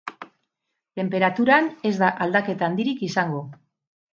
Tenperaturan ez da aldaketa handirik izango.